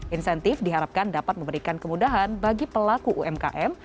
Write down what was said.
insentif diharapkan dapat memberikan kemudahan bagi pelaku umkm